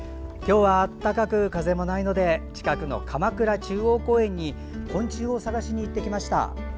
今日は暖かく、風もないので近くの鎌倉中央公園に昆虫を探しに行ってきました。